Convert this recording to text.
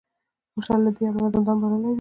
خوشال له دې امله زندان بللی دی